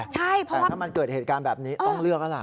แต่ถ้ามันเกิดเหตุการณ์แบบนี้ต้องเลือกแล้วล่ะ